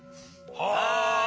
はい！